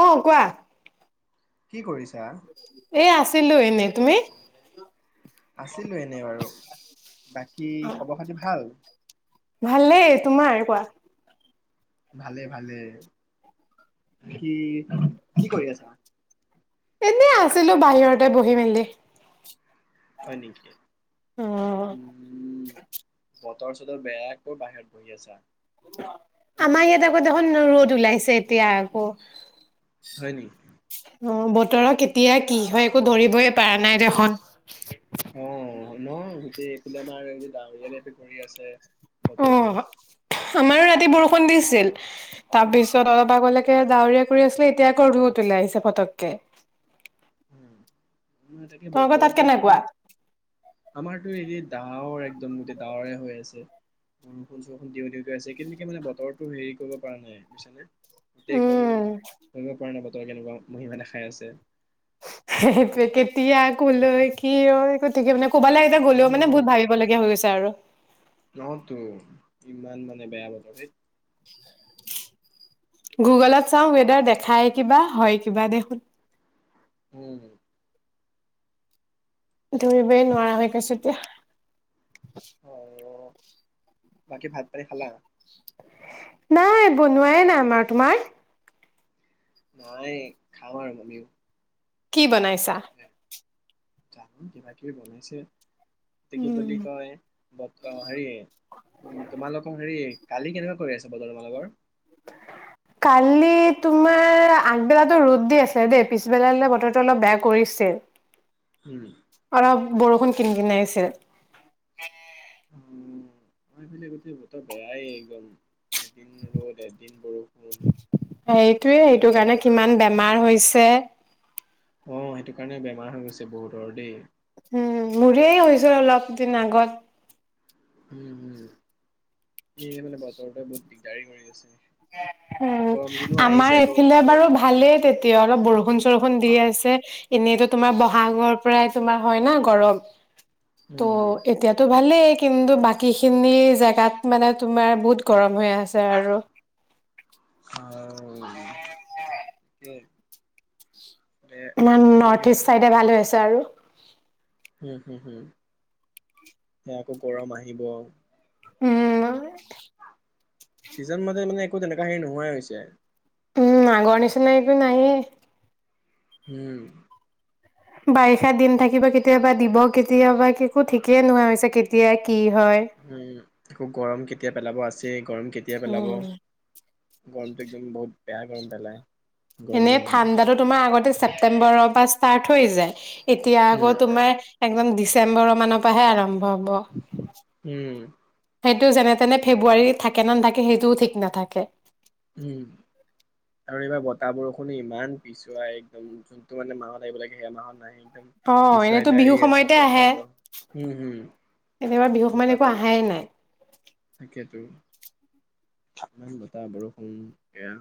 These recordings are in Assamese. অ' কোৱা। কি কৰিছ? এ আছ ছিলো এনেই। তুমি? আছ আছিলো এনেই আৰু। বাকী অ খবৰ খাটি ভাল? ভালেই তোমাৰ কোৱা ভালেই ভালেই। বাকী কি কৰি আছা? এনেই আছিলো বাহিৰতে বহি মেলি। হয় নেকি? অ' তৰ চতৰ বেয়া কৰ বাহিৰত বহি আছা। আমাৰ ইয়াত আকৌ দেখোন ৰ'দ ওলাইছে এতিয়া আকৌ। হয় নেকি? অ', বতৰৰ কেতিয়া কি হয় একো ধৰিবই পাৰা নাই দেখোন। অ', ন। এ-এইফালে আমাৰ আজি ডাৱৰীয়া টাইপেই কৰি আছে। বতৰটোৱে। অ', হ-আমাৰো ৰাত ৰাতি বৰষুণ দিছিল, তাৰ পিছত অলপ আগলৈকে ডাৱৰীয়া কৰি আছিলে, এতিয়া আকৌ ৰ'দ ওলাইছে পতককে। অ', তাতে তোমালোকৰ তাত বতৰটোৱে কেনেকুৱা বহুত, আমাৰতো ইয়াত ডাৱৰ একদম ডাৱৰীয়া হৈ আছে, বৰষুণ-চৰষুণ দিওঁ দিওঁকৈ আছে, কিন্তু কি মানে বতৰটো হেৰি কৰিব পৰা নাই, বুজিছানে? এতিয়া একদম, উম ধৰিব পৰা নাই বত তৰে কেনেকুৱা মহিমা দেখাই আছে। সেইটোৱে। কেতিয়া, কলৈ, কিয়, একো ঠিকে মানে কবলৈ এতিয়া উম, গলেও মানে বহুত ভাবিব লগীয়া হৈ গৈছে। অ' টো। ইমান মানে বৱা বতৰ ঢেঁট। গুগলত চাওঁ, ৱেদাৰ দেখুৱাই কিবা হয়, কিবা দেখোন। উম। ধৰিনৈ নোৱাৰ আৰু এ কৈছোঁ দিয়া। [inaudible] অ' বাকী ভাত পানী খালা? নাই। বনুআই নাই আমাৰ। তোমাৰ? নাই। খাম আৰু আমিয়ো। কি বনাইছা? জনো কিবা কিবি বনাইছে। এইটো কি উম, বুলি কয়? বত অ', হেৰি তোমালোকৰ হেৰি। কালি কেনেকুৱা কৰি আছে বতৰ তোমালোকৰ? কালি তোমাৰ আগবেলাটো ৰ'দ দি আছিল দে। পিছবেলালে বতৰটো অলপ বেয়া কৰিছিল। উম। অলপ বৰষুণ কিন কিনাইছে। উম, আমাৰফালে গোটে বতৰ বেয়া এ একদম। এদিন ৰ'দ, এদিন বৰষুণ, সাইটোৱে এনেকুৱা সেইটোৰ কাৰণে বতাহ। কিমান বেমাৰ হৈছে। অ', সেইটো কাৰণেও বেমাৰ হৈ গৈছে বহুতৰ দে। উম, মুৰেই হৈছিল অলপ দিন আগত। উম, উম। এ মানে, বতৰটোৱে বহুত দিগদাৰি কৰি আছে। উম, গৰম দিনো আহিছে অমৰ আকৌ এইফালে বাৰু গৰম। ভালে তেতিয়া অলপ বৰষূণ, ছৰসুন দি আছে। এনেটো তোমাৰ বহাগৰ পৰাই তোমাৰ হয় না গৰম। উম ত হুম এতিয়াতো ভালে কিন্তু বাকীশিনি জেগাত মানে তোমাৰ বহুত গৰম হৈ আছে আৰু। অ'। অম, এ নান-নৰ্থৱেষ্ট চাইডয়ে ভালহৈ আছে। আৰু, [unintelligible] উম! চিজন মানে মানে একো তেনেকুৱা হেৰী নোহোৱাই হৈছে৷ উম আগৰ নিছিনা একো নাই এ উম বাৰিষা দিন থাকিব কেতিয়াবা দিব কেতিয়াবা একো ঠিকে নোহোৱা হৈছে কেতিয়া কি হয় [unintelligible] [unintelligible] সেই গৰম কেতিয়া পেলাব উম [unintelligible] [unintelligible] এনে দিন। ঠাণ্ডাটো তোমাৰ আগতে চেপ্তেম্বৰ ৰ পৰা ষ্টাৰত হৈ যায়। এতিয়া উম আকৌ তোমাৰ [unintelligible] চেপ্তেম্বৰ ৰ মানৰ পৰা হে আৰম্ভ, হ'ব উম সেইটো যেনে তেনে ফেব্ৰুৱাৰীত থাকে নে নাথাকে সেইটো ঠিক নাথাকে। উম আৰু এইবাৰ বতাহ বৰষুণ ইমান [unintelligible] একদম যোনটো মানে মাহত আহিব লাগে সেই মাহত নাহিল। অ পিছুৱাই এনেতো লৈ বিহু আহি আছে সময়তে বতাহ আহে বৰষুণ হম একেবাৰে বিহু হম সময়ত বতাহ একো আহাই নাই বৰষুণ তাকে টো [unintelligible] ইমান বতাহ বৰষুণ গেল।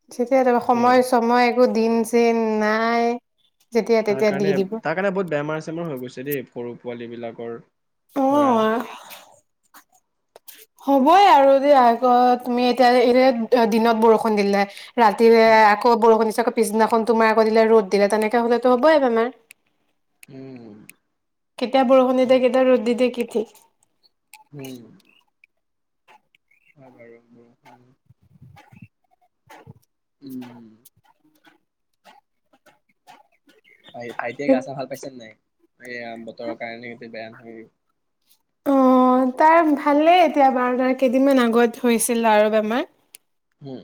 [unintelligible] সময় চময় একো,, দিন-চিন নাই যেতিয়া তাৰ তেতিয়া দি কাৰনে দিব তাৰ কাৰনে বহুত বেমাৰ চেমাৰ হৈ গৈছে দেই অ [unintelligible] ধৰা হবয়ে আৰু দিয়া [unintelligible] দিনত বৰষুণ দিলে ৰাতিলে উম আকৌ বৰষুণ দিছে পিছদিনা খন টো তোমাৰ আকৌ ৰ'দ দিলে তেনেকে হ'লে টো হবয়ে বেমাৰ। কেতিয়া বৰষুণ দি দিয়ে কেতিয়া ৰ'দ দি দিয়ে কি থিক। [unintelligible] উম। [unintelligible] উম ভাইটি য়ে গা-চা ভাল পাইছেনে নাই এয়া বতৰৰ কাৰণে যে বেয়া। [unintelligible] অ, তাইৰ ভালেই এতিয়া বাৰ গাৰ কেইদিনমান আগত হৈছিল আৰু বেমাৰ। হু।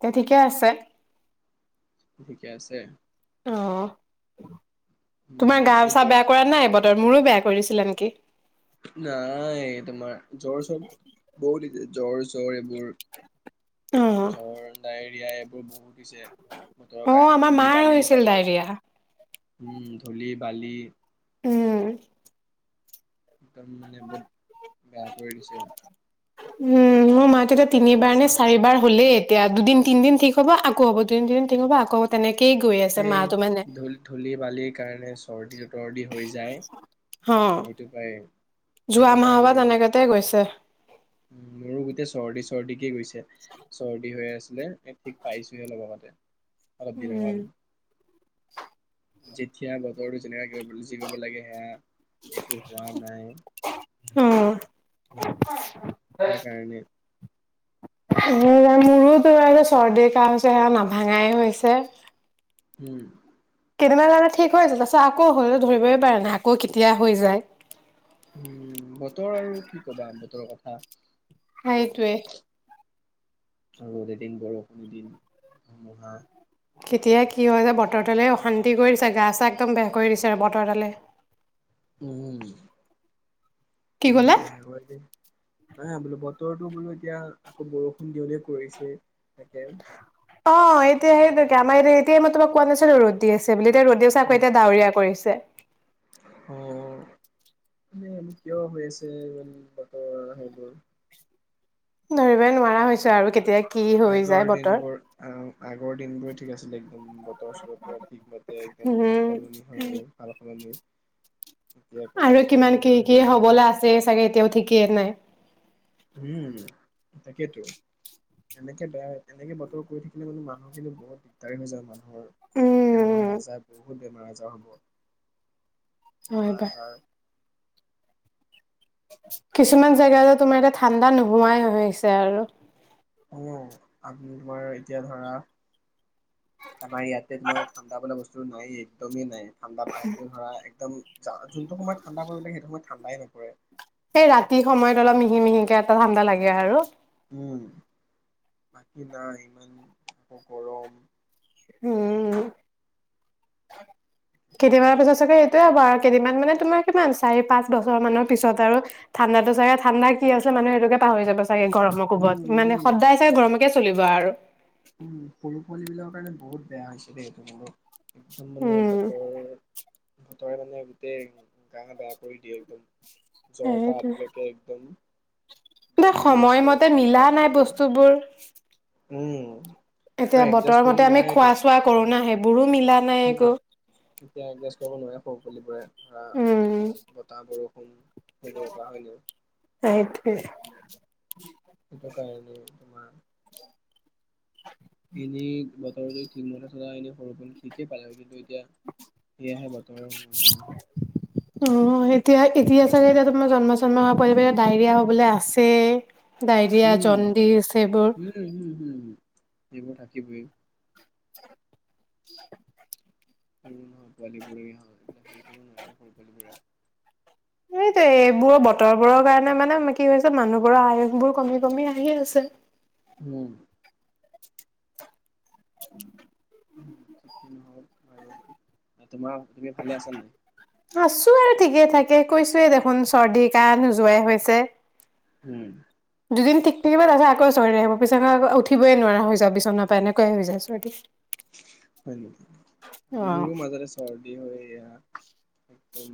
তে ঠিকে আছে? ঠিকে আছে? অহ। উম তোমাৰ এই গাউচা জ্বৰ বেয়া কৰা নাই? বত মোৰো বেয়া কৰিছিলে নি। নাই তোমাৰ জৰ চব বও লিতেদ। জ্বৰ জ্বৰ এইব জৰ অ জ্বৰ নাইট। ইয়াৰ এইবোৰ বহুত। পিছে বতৰৰ অ কাৰণে আমাৰ মাৰ ধূলি-বালি হৈছিল বাব ডায়েৰিয়া হুম ধূলি বালি [unintelligible] একদম মানে বত বেয়া কৰি দিছে। উম মো মাত তেতিয়া গা তিনিবাৰ নে চাবোৰ চাৰিবাৰ হ'লে তেয়া দুদিন তিনদিন ঠিক হব আকৌ হব, দুদিন তিনদিন ঠিক হ'ব আক হ'ব তেনেক এই ধূল ধূলি বালিৰ কাৰণে চো অৰ্দিটোত। তৰ্দি হৈ যায়, অ সেইটো হয়ে। যোৱা সেইটো মাহৰ পৰা কাৰণেই। তেনেকাতে গৈছে উম মোৰো গোটে চৰ্দি চৰ্দি কে গৈছ [unintelligible] চৰ্দি হৈ আছে। বোলে একতিক পাইছোহে লবাগতে। অলপ উম দিনসহেঁতেন। যেতিয়া বতৰটো জেনেৰাইগ [unintelligible] যি ব ব লাগে সেয়া, একো হোৱা নাই। [unintelligible] সেকাৰনে। হে ৰাম, মোৰোতো [unintelligible] চৰ্দি কাহ হৈছে সেয়া নাভাঙাই হৈছে। হো। এবাবাবা ঠিক হৈ যায়। তাইছত আকৌ হয় অ ধৰিবই পৰা নাই আকৌ কেতিয়া হৈ যায় হোঁ, বতৰ আৰু কি কবা বতৰৰ কথা। হাইটোৱে। ৰ'দ এদিন। বৰষুণ দুদিন। ধুমুহা। কেতিয়া কি হয় যে বতৰদালে অশান্তি কৰিছে গা চা একদম বেয়া কৰি দিছে বতৰদালে। উম উম কি বহুত ক'লা বেয়া হয় দেই। নাহা বুলি বত বতৰটো মানে এতিয়া, আক' বৰষুণ দিওঁ-দিওঁ কৰিছে, তাকে। অ ', এতিয়া সেইটোহে আমাৰ এতিয়া এইমাত্ৰ কোৱা নাছিলোঁ ৰ'দ দিএছে এবেলি এতিয়া ৰ'দ দি আছে এতিয়া আক' ডাৱৰীয়া কৰিছে। উম, ম [inaudible] জানো কিয় হৈ আছে বতৰ [unintelligible] ধৰিবই নোৱাৰা হৈছোঁ আৰু কেতিয়া কি হৈ যায় আগৰ বতৰ। দিনবোৰ আউ। আগৰ দিনবোৰে ঠিক আছিলে। একদম বতৰ-চতৰ পৰা ঠিক মাতে একদম উম সলনি হয় সালসলনি, এতিয়া আকৌ আৰু সালসলনি কিমান কি বোৰ কি হেৰি হয় হবলৈ আছে [inaudible] চাগে এতিয়াও ঠিকেই নাই। উম, তাকেতো, এনেকে বেয়া এনেকে বতৰ পৰি থাকিলে মানে মানুহ কিন্তু বহুত দিগদাৰি হৈ যায় মানুহ। ৰ, উম বেমাৰ-আজাৰ বহুত। বহুত বেমাৰ-আজাৰ হ'ব [inaudible] [inaudible] হয় কুমাৰ বাৰু। আজাৰ [inaudible] কিছুমান তোমাৰ জেগা যে তোমাৰ এতিয়া ঠাণ্ডা নোহ সোৱাই আহিছে আৰু। অ', আপ তোমাৰ এতিয়া ধৰা, আমাৰ ইয়াতে তোমাৰ ঠাণ্ডা বোলা বস্তুটো নাইয়ে একদমেই নাই। ঠাণ্ডা পা আহিলেও ধৰা একদম যা যোনটো সময়ত ঠাণ্ডা পৰিব লাগে সেইটো সময়ত ঠাণ্ডাই নপৰে। সেই ৰাতি সময়ত অলপ মিহি-মিহিকে এটা ঠাণ্ডা লাগে আৰু। উম, বাকী নাই, ইমান আকৌ গৰম। উমমম। কেতিয়াবা [unintelligible] টোৱে হ'ব আৰু কেইিনমান মানে তোমাৰ কিমান চাৰি পাঁচ বছৰ মানৰ পিছত আৰু, ঠাণ্ডাটো চাগে ঠাণ্ডা কি আছিলে মানুহে সেইটোকে পাহৰি যাব ছা [unintelligible] গৰমৰ উম কোবত, মানে উম সদায় চাই গৰমত কে চলিবা আৰু। উম, [unintelligible] পোৱালী বিলাক কাৰণে বহুত বেয়া হৈছে দেই। [unintelligible] একদম মানে উম বতৰৰ বতৰে মানে গোটেই গা বেয়া কৰি দিয়ে একদম। জ্বৰ পা সেইটোৱে আদিলৈকে একদম। [unintelligible] বমি সময়মতে চৰ্দিৰ মিলা পৰা নাই আদিলৈকে বস্তুবোৰ। উম। আৰু এতিয়া এডজাষ্ট বতৰ কৰিব মতে আমি নোৱাৰেটো খোৱা-চোৱা কৰোঁ না, হেইব বোৰো উম, এতিয়া এদজাছ কৰিব নোৱাৰে স [unintelligible] ধৰা উম বতাহ-বৰষুণ, সেইবোৰৰ পৰা হয় নাই? [unintelligible] সেইটোকাৰণে। তোমাৰ [inaudible] ইনেই বতৰ যদি ঠিক মতে থকা হ'লে [unintelligible] ঠিকে পালে হয়, কিন্তু এত তিয়া, সেয়াহে বতৰৰ মহিমা। অ', এতিয়া-এতিয়া চাগে এতিয়া তোমাৰ জন্ম চন্ম হোৱাৰ পৰা ডায়েৰিয়া হ'বলৈ আছেই। ডায়েৰিয়া, উম জণ্ডিছ সেইবোৰ সেইবোৰ থাকিবই। [inaudible] উম কালি-পৰহি অ', সেই বিলাক উম। সেইটোৱেই, এইবোৰৰ বতৰবোৰৰ কাৰণে মানে কি হৈছে, মানুহবোৰৰ আয়ুসবোৰ কমি কমি আহি আছে। উম। [inaudible] [unintelligible] তোমাৰ, তুমি ভালে আছা নাই? আছোঁ আৰু ঠিকে থাকে, কৈছোৱেই দেখোন চৰ্দি, কাহঁ নোযোৱাই হৈছে। উম। দুদিন ঠিক থাকিব তাৰ পিছত আকৌ চৰ্দি আহিব। বিছনা পৰা উঠিবই নোৱাৰা হৈ যাওঁ, বিচনাৰ পাই এনেকুৱাই হয় যায় চৰ্দি। হয় নেকি, অ'। মোৰো মাজতে চৰ্দি হয় এয়া একদম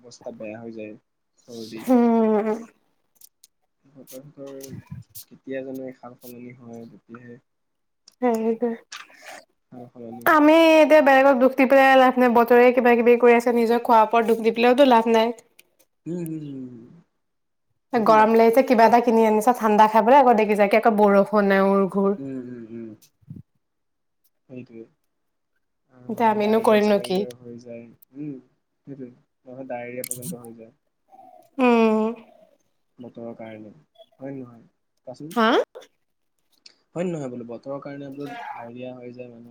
অৱস্থা বেয়া হৈ যায়। চৰ্দি হম। তহঁতৰ কেতিয়াজানো এখন সাল-সলনি হয় তেতিয়াহে এ সেইটোৱে। সাল-সলনি তেতিয়া বেলেগক দুখ দি পেলাই লাভ নাই, বতৰে কিবা কিবি কৰি আছে, নিজৰ খোৱা ওপৰত দুখ দি পেলাইটো লাভ নাই। উম হম হম সেইটোৱে গৰম কথা লাগিছে কিবা এটা কিনি আনিছা ঠাণ্ডা খাবলৈ, আকৌ দেখিছা একে আকৌ বৰষুণে ঔ উম, উম, উম। সেইটোৱেই। আৰু এতিয়া মানহে আমিনো কৰিম ডায়েৰিয়া নো কি চায়ৰিয়া হৈ যায়। উম, সেইটো মানুহৰ ডায়েৰিয়া পৰ্যন্ত হৈ যায়। উম, বতৰৰ কাৰণে হয় নে নহয়? কোৱাচোন? হা? হয় নে নহয় বোলো ব [unintelligible] কাৰণে বোলো হাইৰিয়া হৈ যায় মানু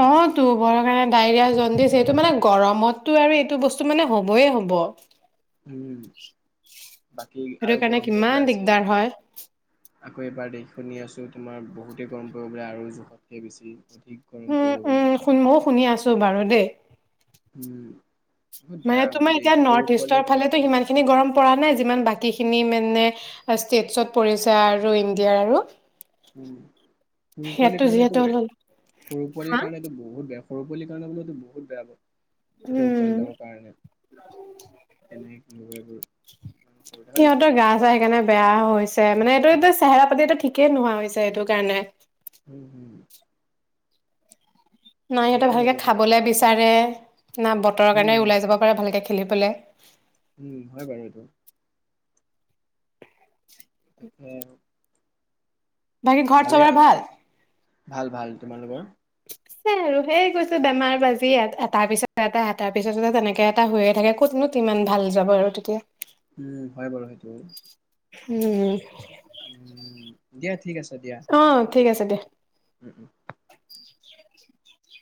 অ', টো, বৰ্কায়ে ডায়েৰিয়া, জণ্ডিচ এইটো মানে গৰমতটো আৰু এইটো বস্তু মানে হ'বই হ'ব। উম, বাকী সেইটো আৰু কাৰণে গৰম কিমান পৰিবলৈ আছে এ, দিগদাৰ হয় আকৌ এবাৰ দেশ শুনি আছোঁ তোমাৰ বহুতে গৰম পৰিব বোলে আৰু জোখতকে বেছি। অধিক গৰম উম, পৰিব বোলে উম, শুন, ময়ো শুনি আছোঁ বাৰু দেই। উম। বহুত মানে বেয়া হ'ব তুমি দেই এতিয়া সৰু পোৱালী নৰ্থইষ্টৰ বিলাকে ফালেটো সিমানখিনি গৰম পৰা নাই, যিমান বাকী খি খিনি মানে ষ্টেটছত পৰিছে আৰু ইণ্ডিয়াৰ আৰু। উম সৰু পোৱালী ইয়াতো কাৰণেটো যিহেতু বে, অলপ সৰু পোৱালী হা কাৰণেটো বহুত বেয়া, সৰু পোৱালী কাৰণে বোলো এইটো বহুত বেয়া। সৰু উম পোৱালীবিলাকৰ কাৰণে, তেনেকে [unintelligible] সৰুতে হয়নে? ছে, মানে এইটো এইটো চেহেৰা পাতিটো ঠিকে নোহোৱা হৈছে এইটো কাৰণে। উম, উম। না সিহঁতে ভালকে হেৰি কৰিব খাবলে পাৰোঁ। বিচাৰে না বতৰৰ কাৰণে উম ওলাই যাব পাৰে ভালকে খে [unintelligible] উম, হয় বাৰু এইটো। তাকেই আৰু। বাকী ঘৰত চবৰে ভাল? ভাল ভাল। তোমালোকৰ? আছে আৰু। সেই গৈছে বেমাৰ-বাজি এটাৰ পিছত এটা, এটাৰ পিছতো তেনেকে এটা হৈয়ে থাকে, ক'তনো তিমান ভাল যাব আৰু তেতিয়া। উম হয় বাৰু সেইটো উম। উম, দিয়া ঠিক আছে। [unintelligible] দিয়া। অ', ঠিক আছে দিয়া। উ, উ।